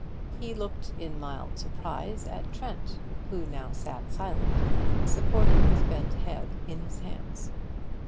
He looked in mild surprise at Trent, who now sat silent, supporting his bent head in his hands.